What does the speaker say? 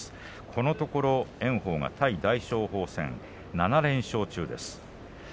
このところ炎鵬が大翔鵬戦７連勝中です。